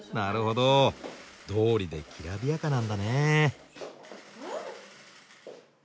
どうりできらびやかなんだね。